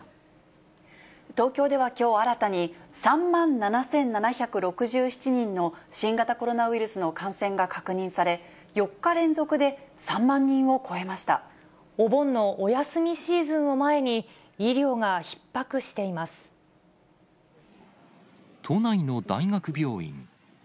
東京ではきょう新たに３万７７６７人の新型コロナウイルスの感染が確認され、４日連続で３お盆のお休みシーズンを前に、都内の大学病院。